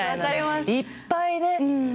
いっぱいね。